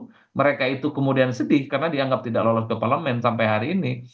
kalau mereka itu kemudian sedih karena dianggap tidak lolos ke parlemen sampai hari ini